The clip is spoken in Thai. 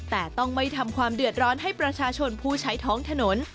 แต่ต้องไม่ทำความเดือดร้อนให้ประชาชนผู้ใช้ท้องถนน